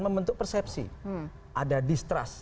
membentuk persepsi ada distrust